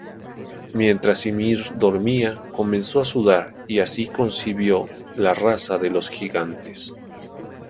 Mientras Ymir dormía, comenzó a sudar y así concibió la raza de los gigantes.